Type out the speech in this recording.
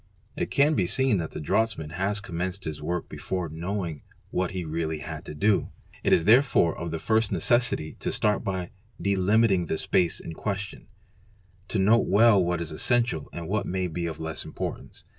It can be seen that the draughtsman has commenced his work before ' knowing what he really had to do. It is therefore of the first necessity to start by delimiting the space in question, to note well what is essential SL Ok 0 OF ADP A RANA hg) AT OLN BE AEN Re EEN PO 0 a and what may be of less importance.